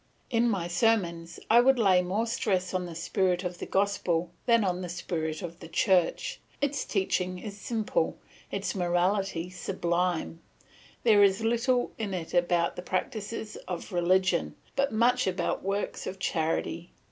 In my sermons I would lay more stress on the spirit of the gospel than on the spirit of the church; its teaching is simple, its morality sublime; there is little in it about the practices of religion, but much about works of charity.